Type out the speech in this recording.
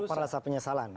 bukan perasa penyesalan